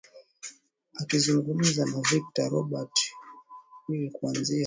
akizungumza na victor robert willi kuangazia